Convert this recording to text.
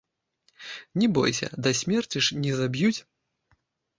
Не бойся, да смерці ж не заб'юць.